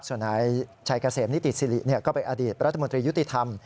ส่วนนายชัยเกษมนิติสิริก็เป็นอดีตรัฐมนตรียุติธรรม